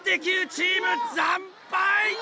チーム惨敗！